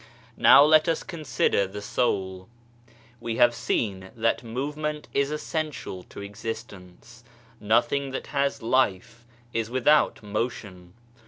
Now let us consider the Soul. We have seen that movement is essential to existence ; nothing that has life is without motion.